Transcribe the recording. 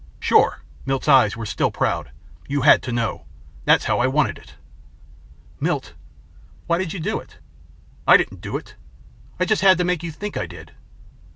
"Sure." Milt's eyes were still proud. "You had to know. That's how I wanted it." "Milt why did you do it?" "I didn't do it. I just had to make you think I did."